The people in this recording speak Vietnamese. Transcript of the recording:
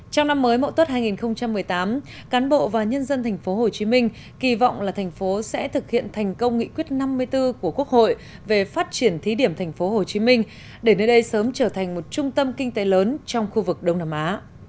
trong năm mới mộ tốt hai nghìn một mươi tám cán bộ và nhân dân thành phố hồ chí minh kỳ vọng là thành phố sẽ thực hiện thành công nghị quyết năm mươi bốn của quốc hội về phát triển thí điểm thành phố hồ chí minh để nơi đây sớm trở thành một trung tâm kinh tế lớn trong khu vực đông nam á